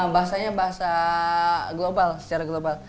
bahasanya bahasa global secara global